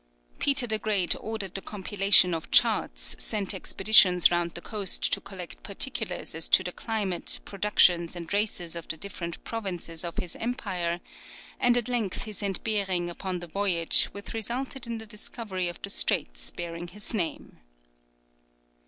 Peter the Great ordered the compilation of charts, sent expeditions round the coast to collect particulars as to the climate, productions, and races of the different provinces of his empire; and at length he sent Behring upon the voyage which resulted in the discovery of the straits bearing his name.